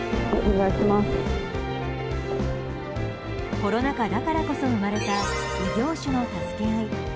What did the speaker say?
コロナ禍だからこそ生まれた異業種の助け合い。